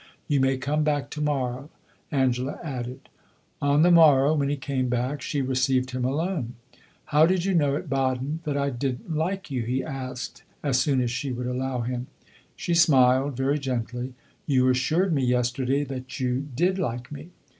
You may come back to morrow," Angela added. On the morrow, when he came back, she received him alone. "How did you know, at Baden, that I did n't like you?" he asked, as soon as she would allow him. She smiled, very gently. "You assured me yesterday that you did like me."